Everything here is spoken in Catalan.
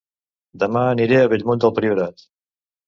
Dema aniré a Bellmunt del Priorat